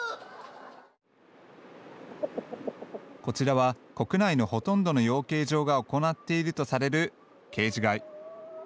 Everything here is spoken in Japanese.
こちらは国内のほとんどの養鶏場が行っているとされるケージ飼い。